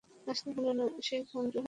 সে ধ্বংস হয়ে যাবে।